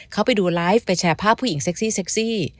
เขาไปดูไลฟ์ไปแชร์ภาพผู้หญิงเซ็กซี่